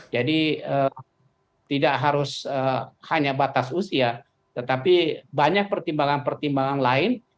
jadi tidak harus hanya batas usia tetapi banyak pertimbangan pertimbangan lain